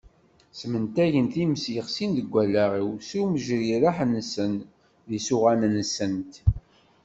Smentagen times yexsin deg allaɣ-iw s uwejrireḥ-nsen d yisuɣan-nsent.